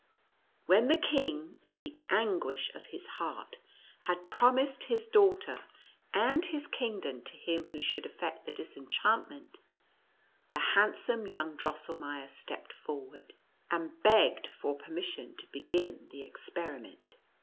When the king, in the anguish of his heart, had promised his daughter and his kingdom to 84 NUTCRACKER AND MOUSE KING. him who should effect the disenchantment, the handsome young Drosselmeier stepped forward, and begged for j)ermission to begin the experi ment.